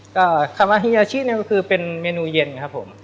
ก็คามาฮิยาชิเนี่ยก็คือเป็นเมนูเย็นครับผม